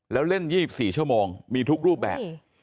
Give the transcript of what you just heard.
แล้วเล่น๒๔ชั่วโมงมีทุกรูปแบบ